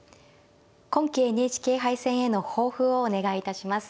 今期ＮＨＫ杯戦への抱負をお願いいたします。